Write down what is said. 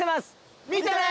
見てね！